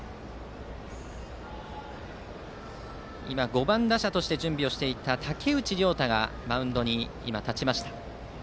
５番打者として準備をしていた武内涼太がマウンドに立ちました。